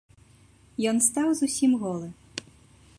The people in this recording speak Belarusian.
Ён стаў зусім голы.